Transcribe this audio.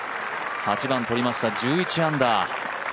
８番取りました、１１アンダー。